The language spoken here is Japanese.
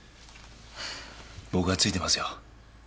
僕がついてますよ。